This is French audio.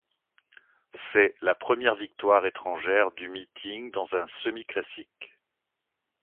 C’est la première victoire étrangère du meeting dans un semi-classique.